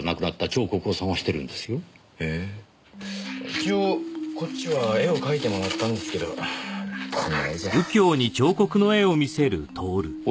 一応こっちは絵を描いてもらったんですけどこの絵じゃ。